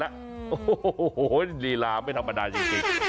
โอ้โหลีลาไม่ธรรมดาจริง